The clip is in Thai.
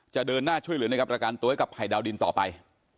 จะเดินหน้าช่วยอะไรนะครับระการตั๊วยกับไฮดาวดินต่อไป